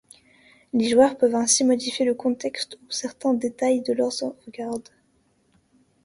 Les joueurs peuvent ainsi modifier le contexte ou certains détails de leur sauvegarde.